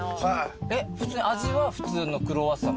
えっ味は普通のクロワッサン？